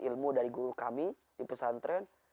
ilmu dari guru kami di pesantren